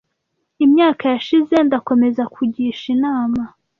Imyaka yashize. Ndakomeza kugisha inama